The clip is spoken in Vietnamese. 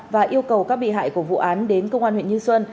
và yêu cầu các bị hại của vụ án đến công an huyện như xuân